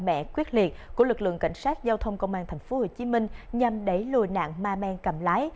mẽ quyết liệt của lực lượng cảnh sát giao thông công an tp hcm nhằm đẩy lùi nạn ma men cầm lái